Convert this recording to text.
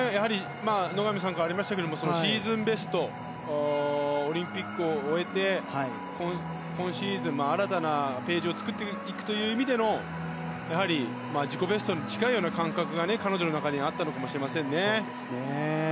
野上さんからもありましたが、シーズンベストオリンピックを終えて今シーズン新たなページを作っていくという意味での自己ベストに近いような感覚が彼女の中にはあったのかもしれませんね。